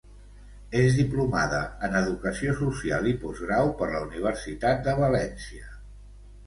És diplomada en Educació Social i Postgrau per la Universitat de València.